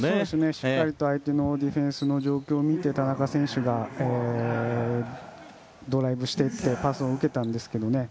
しっかりと相手のディフェンスの状況を見て田中選手がドライブしていってパスを受けたんですけどね。